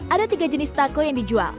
ada tiga jenis tako yang dijual